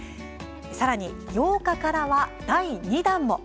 さらに８日からは第２弾も。